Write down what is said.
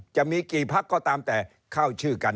จะมีกี่พักก็ตามแต่เข้าชื่อกัน